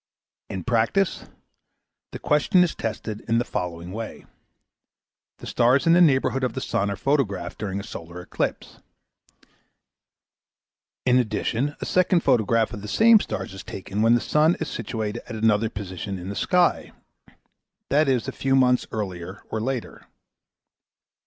In practice, the question is tested in the following way. The stars in the neighbourhood of the sun are photographed during a solar eclipse. In addition, a second photograph of the same stars is taken when the sun is situated at another position in the sky, i.e. a few months earlier or later.